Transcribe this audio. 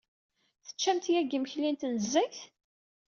Teččamt yagi imekli n tnezzayt?